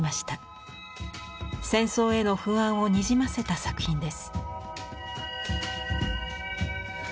戦争への不安をにじませた作品です。